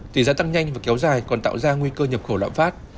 tỷ giá tăng nhanh và kéo dài còn tạo ra nguy cơ nhập khẩu lạm phát